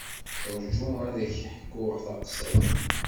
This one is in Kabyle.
Rju ad k-d-ḥkuɣ taqsiṭ.